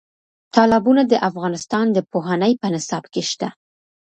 تالابونه د افغانستان د پوهنې په نصاب کې شته.